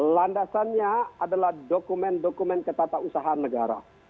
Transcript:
landasannya adalah dokumen dokumen ketata usaha negara